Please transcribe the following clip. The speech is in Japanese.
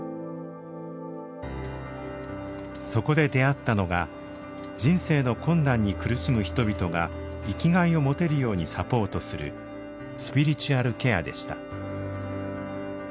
そこで出会ったのが人生の困難に苦しむ人々が生きがいを持てるようにサポートするスピリチュアルケアでした。